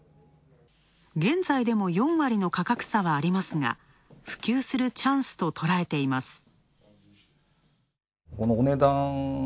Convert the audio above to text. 現在でも４割の価格差はありますが普及するチャンスととらえています。